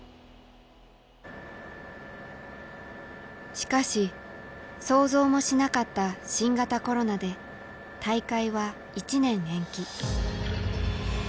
しかし想像もしなかった新型コロナで大会は１年延期。